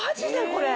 これ。